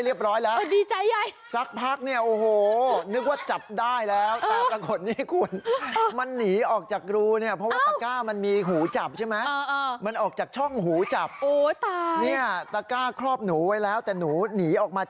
เดี๋ยวมีคนเข้าไปชมแล้วกว่า